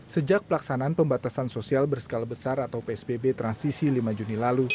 sejak pelaksanaan pembatasan sosial berskala besar atau psbb transisi lima juni lalu